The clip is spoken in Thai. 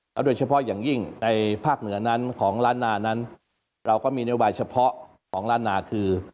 โดยเฉพาะอย่างยิ่งในภาคเหนือนั้นของล้านนานั้นเราก็มีนโยบายเฉพาะของร้านนาคือ